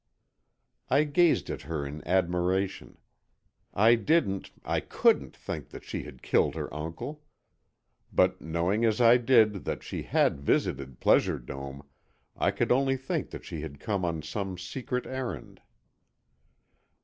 I gazed at her in admiration. I didn't, I couldn't think that she had killed her uncle, but knowing, as I did, that she had visited Pleasure Dome, I could only think that she had come on some secret errand.